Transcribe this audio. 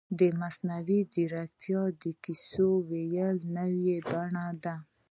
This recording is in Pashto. مصنوعي ځیرکتیا د کیسو ویلو نوې بڼه ده.